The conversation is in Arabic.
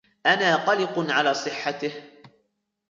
أنا قلق على صحته.